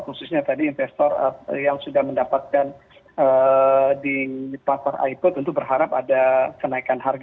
khususnya tadi investor yang sudah mendapatkan di pasar ipo tentu berharap ada kenaikan harga